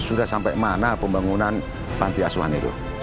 sudah sampai mana pembangunan panti asuhan itu